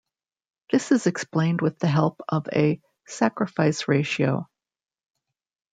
This is explained with the help of a "sacrifice ratio".